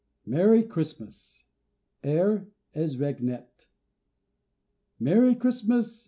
MERRY CHRISTMAS. (Air: "Es Regnet.") MERRY CHRISTMAS!